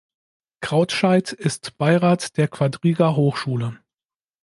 Krautscheid ist Beirat der Quadriga Hochschule.